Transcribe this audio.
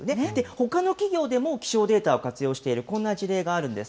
ほかの企業でも気象データを活用しているこんな事例があるんです。